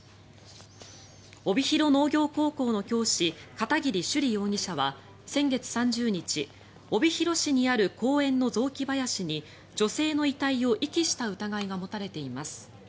帯広農業高校の教師片桐朱璃容疑者は先月３０日帯広市にある公園の雑木林に女性の遺体を遺棄した疑いが持たれています。